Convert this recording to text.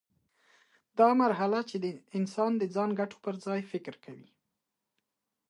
دا مرحله چې انسان د ځان ګټو پر ځای فکر کوي.